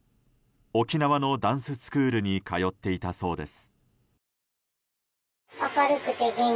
沖縄のダンススクールに通っていたそうです。